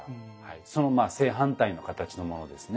その正反対の形のものですね。